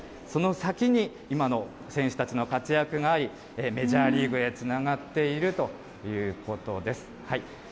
その先に今の選手たちの活躍があり、メジャーリーグへつながっているということです。